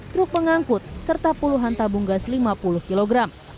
truk pengangkut serta puluhan tabung gas lima puluh kg